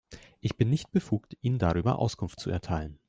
Ich bin nicht befugt, Ihnen darüber Auskunft zu erteilen.